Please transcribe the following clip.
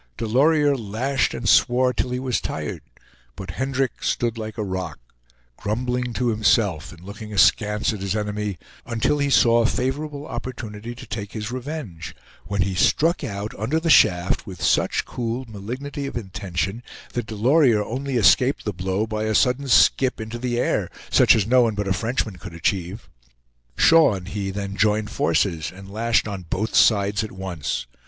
Delorier lashed and swore till he was tired, but Hendrick stood like a rock, grumbling to himself and looking askance at his enemy, until he saw a favorable opportunity to take his revenge, when he struck out under the shaft with such cool malignity of intention that Delorier only escaped the blow by a sudden skip into the air, such as no one but a Frenchman could achieve. Shaw and he then joined forces, and lashed on both sides at once.